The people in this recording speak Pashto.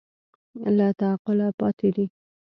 له تعقله پاتې دي